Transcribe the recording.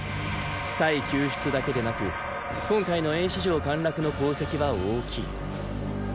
救出だけでなく今回の衍氏城陥落の功績は大きい。